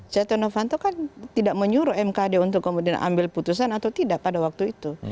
setia novanto kan tidak menyuruh mkd untuk kemudian ambil putusan atau tidak pada waktu itu